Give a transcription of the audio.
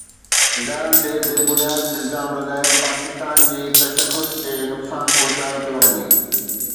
ادارن تي بي بنياد الزام لڳائي پاڪستان جي تشخص کي نقصان پهچايو پيو وڃي